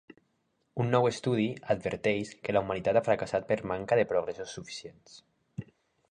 Un nou estudi adverteix que la humanitat ha fracassat per manca de progressos suficients.